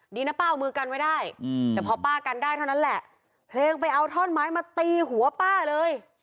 ดีนะป้าเอามือกันไว้ได้แต่พอป้ากันได้เท่านั้นแหละเพลงไปเอาท่อนไม้มาตีหัวป้าเลย